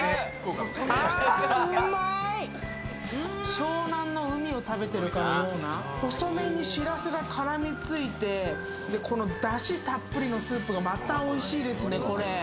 湘南の海を食べているかのような、細麺にしらすが絡みついて、だしたっぷりのスープがまたおいしいですね、これ。